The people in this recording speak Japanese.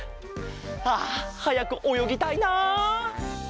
あはやくおよぎたいな！